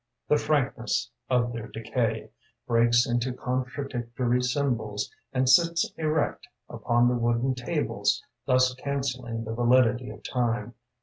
The frankness of their decay Breaks into contradictory symbols And sits erect upon the wooden tables, Thus cancelling the validity of time.